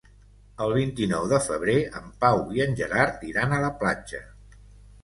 El vint-i-nou de febrer en Pau i en Gerard iran a la platja.